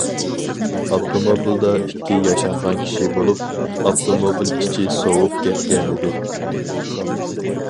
ئاپتوموبىلدا ئىككى ياشانغان كىشى بولۇپ، ئاپتوموبىل ئىچى سوۋۇپ كەتكەنىدى.